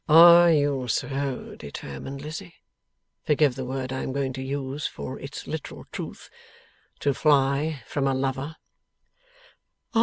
'Are you so determined, Lizzie forgive the word I am going to use, for its literal truth to fly from a lover?